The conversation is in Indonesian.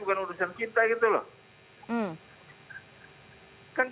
bukan urusan kita